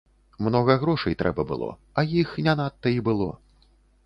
Многа грошай трэба было, а іх не надта і было.